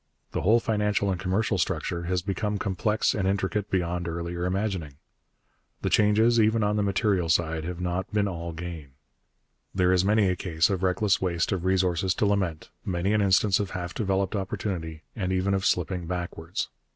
The whole financial and commercial structure has become complex and intricate beyond earlier imagining. The changes, even on the material side, have not been all gain. There is many a case of reckless waste of resources to lament, many an instance of half developed opportunity and even of slipping backwards.